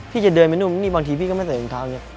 จะเดินไปนู่นนี่บางทีพี่ก็ไม่ใส่รองเท้าเนี่ย